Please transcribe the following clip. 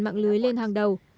mạng lưới lên hàng đầu